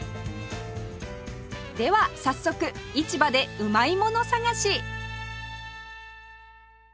では早速市場でうまいもの探し